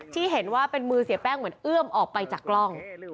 ที่เห็นว่าเป็นมือเสียแป้งเหมือนเอื้อมออกไปจากกล้อง